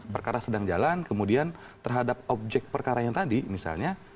perkara sedang jalan kemudian terhadap objek perkara yang tadi misalnya